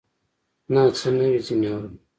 نه څه نوي ځینې اورې